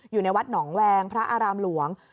อยู่ในวัดหนองแวงพระอารามหลวง